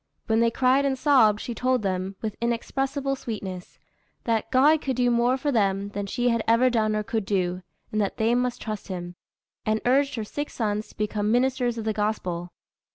When they cried and sobbed, she told them, with inexpressible sweetness, that "God could do more for them than she had ever done or could do, and that they must trust Him," and urged her six sons to become ministers of the Gospel.